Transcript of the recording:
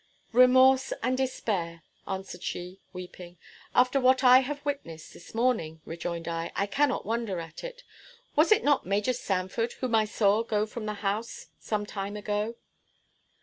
"Remorse and despair," answered she, weeping. "After what I have witnessed, this morning," rejoined I, "I cannot wonder at it. Was it not Major Sanford whom I saw go from the house some time ago?"